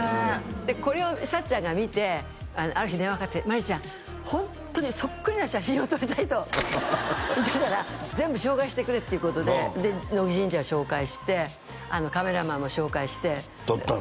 これをさっちゃんが見てある日電話かかって「マリちゃんホントにそっくりな写真を撮りたい」とだから全部紹介してくれっていうことでで乃木神社を紹介してカメラマンも紹介して撮ったの？